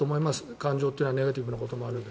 感情というのはネガティブなこともあるので。